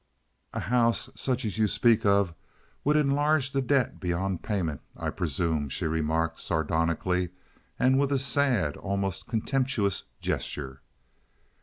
"A house such as you speak of would enlarge the debt beyond payment, I presume," she remarked, sardonically and with a sad, almost contemptuous gesture.